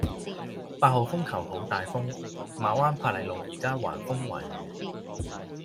八號風球好大風，馬灣珀麗路依家橫風橫雨